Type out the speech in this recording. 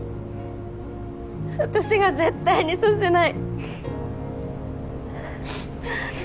私が絶対にさせない。